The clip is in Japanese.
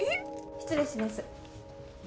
失礼します